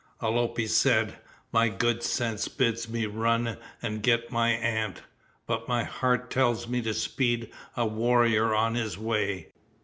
Alope said, "My good sense bids me run and get my aunt, but my heart tells me to speed a warrior on his way.